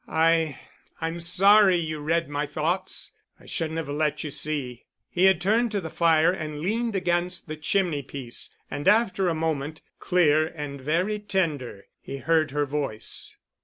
I—I'm sorry you read my thoughts. I shouldn't have let you see." He had turned to the fire and leaned against the chimney piece. And after a moment, clear and very tender, he heard her voice.